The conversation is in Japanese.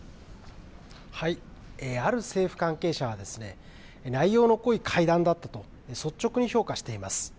ある政府関係者は、内容の濃い会談だったと、率直に評価しています。